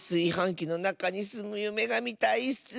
きのなかにすむゆめがみたいッス！